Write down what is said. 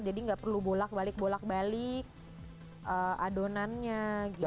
jadi nggak perlu bolak balik bolak balik adonannya gitu